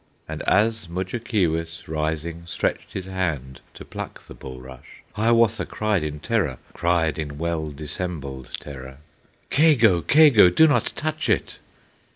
And as Mudjekeewis, rising, Stretched his hand to pluck the bulrush, Hiawatha cried in terror, Cried in well dissembled terror, "Kago! kago! do not touch it!"